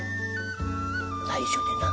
内緒でな。